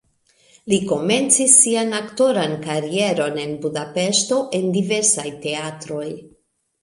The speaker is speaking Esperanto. Li komencis sian aktoran karieron en Budapeŝto en diversaj teatroj.